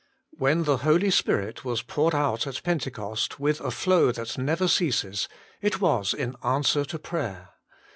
When the Holy Spirit was poured out at Pentecost with a flow that never ceases, it was in answer to prayer.